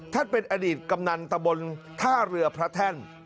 เป็นอดีตกำนันตะบนท่าเรือพระแท่น